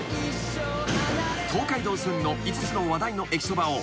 ［東海道線の５つの話題の駅そばを］